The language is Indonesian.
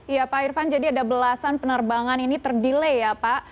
ya pak irvan jadi ada belasan penerbangan ini ter delay ya pak